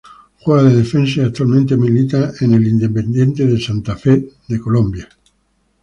Juega de Defensa y actualmente milita en el Independiente Santa Fe de Colombia.